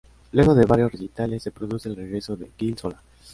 Luego de varios recitales, se produce el regreso de Gil Solá.